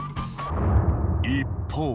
一方。